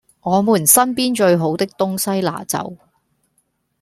我們身邊最好的東西拿走